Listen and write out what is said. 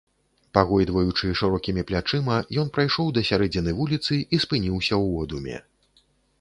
Пагойдваючы шырокімі плячыма, ён прайшоў да сярэдзіны вуліцы і спыніўся ў одуме.